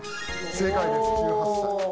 正解です１８歳。